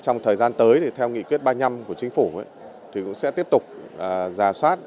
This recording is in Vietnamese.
trong thời gian tới thì theo nghị quyết ba mươi năm của chính phủ thì cũng sẽ tiếp tục giả soát